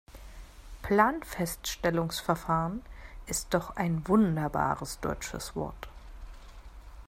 Planfeststellungsverfahren ist doch ein wunderbares deutsches Wort.